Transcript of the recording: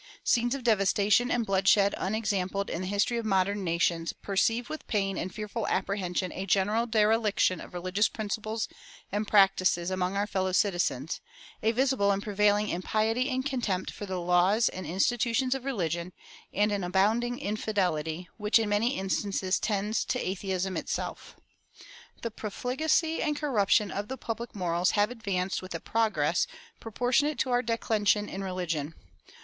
Scenes of devastation and bloodshed unexampled in the history of modern nations have convulsed the world, and our country is threatened with similar calamities. We perceive with pain and fearful apprehension a general dereliction of religious principles and practice among our fellow citizens, a visible and prevailing impiety and contempt for the laws and institutions of religion, and an abounding infidelity, which in many instances tends to atheism itself. The profligacy and corruption of the public morals have advanced with a progress proportionate to our declension in religion.